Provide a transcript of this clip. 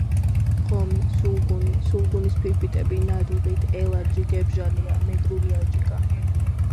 ღომი, სულგუნი, სულგუნის ფორფიტები ნადუღით, ელარჯი, გებჟალია, მეგრული აჯიკა.